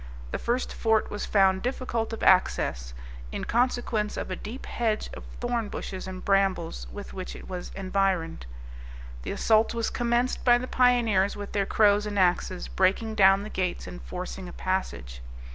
The first fort was found difficult of access, in consequence of a deep hedge of thorn bushes and brambles with which it was environed. The assault was commenced by the pioneers, with their crows and axes, breaking down the gates and forcing a passage.